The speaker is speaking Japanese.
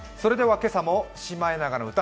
今朝も「シマエナガの歌」